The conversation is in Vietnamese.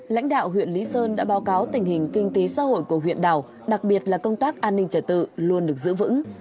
lãnh đạo huyện lý sơn đã báo cáo tình hình kinh tế xã hội của huyện đảo đặc biệt là công tác an ninh trả tự luôn được giữ vững